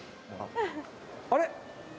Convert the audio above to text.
あれ。